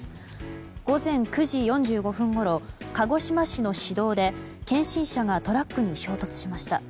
午前９時４５分ごろ鹿児島市の市道で検診車がトラックに衝突しました。